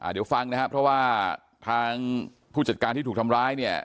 เดี๋ยวฟังนะครับเพราะว่าทางผู้จัดการที่ถูกทำร้ายเนี่ย